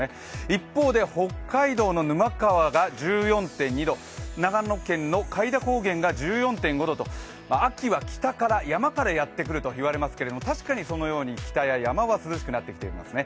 一方で北海道の沼川は１４．２度、長野県の開田高原が１４．５度と、秋は北から、山からやってくるといわれていますけれども、確かにそのように北や山は涼しくなってきていますね。